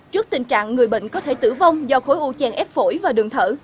trước tình trạng người bệnh có thể tử vong do khối u chèn ép phổi và đường thở